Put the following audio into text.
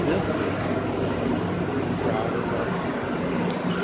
This is the truth. The crowd is untruth.